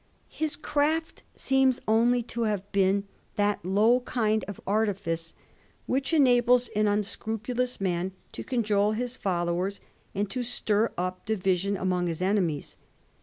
His craft seems only to have been that low kind of artifice which enables an unscrupulous man to cajole his followers and to stir up division among his enemies.